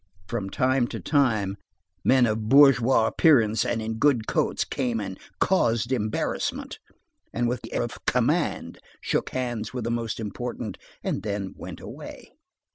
From time to time, men "of bourgeois appearance, and in good coats" came and "caused embarrassment," and with the air of "command," shook hands with the most important, and then went away.